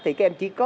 thì các em chỉ có